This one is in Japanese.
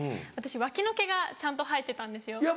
私脇の毛がちゃんと生えてたんですよ。